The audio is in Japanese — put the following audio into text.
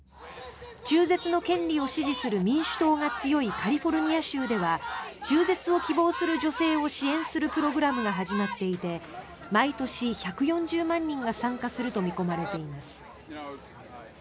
中絶の権利を支持する民主党が強いカリフォルニア州では中絶を希望する女性を支援するプログラムが始まっていて毎年１４０万人が参加すると見込まれています。